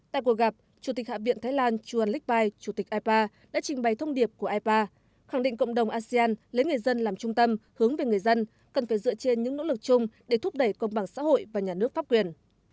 tại cuộc gặp chủ tịch hạ viện thái lan chuan lik pai chủ tịch ipa đã trình bày thông điệp của ipa khẳng định cộng đồng asean lấy người dân làm trung tâm hướng về người dân cần phải dựa trên những nỗ lực chung để thúc đẩy công bằng xã hội và nhà nước pháp quyền